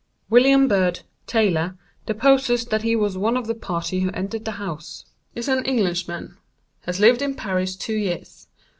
"William Bird, tailor deposes that he was one of the party who entered the house. Is an Englishman. Has lived in Paris two years.